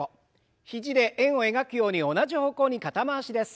肘で円を描くように同じ方向に肩回しです。